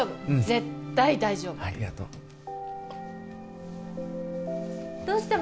絶対大丈夫ありがとうどうした？